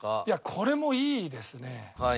いやこれもいいですね。